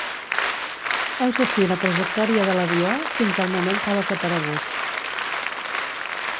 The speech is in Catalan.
Heus ací la trajectòria de l’avió, fins al moment que ha desaparegut.